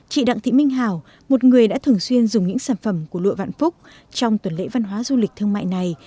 chị đặng thị minh hảo một người đã thường xuyên dùng những sản phẩm của lụa vạn phúc trong tuần lễ văn hóa du lịch thương mại này